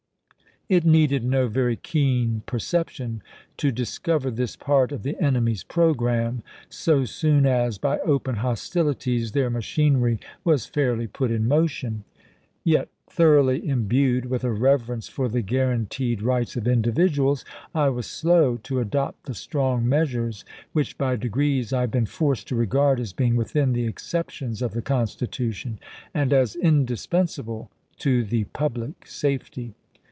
It needed no very keen perception to discover this part of the enemy's programme, so soon as, by open hostilities, their machinery was fairly put in motion. VALLANDIGHAM 345 Yet, thoroughly imbued with a reverence for the guaran chap. xii. teed rights of individuals, I was slow to adopt the strong measures which by degrees I have been forced to regard as being within the exceptions of the Constitution, and as indispensable to the public safety.